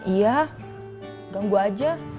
iya ganggu aja